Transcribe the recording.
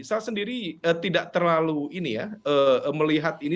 saya sendiri tidak terlalu melihat ini